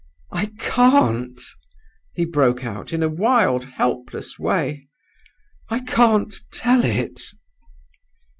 "'I can't!' he broke out in a wild, helpless way. 'I can't tell it!